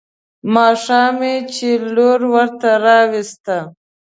ماښام چې لور ورته راوسته.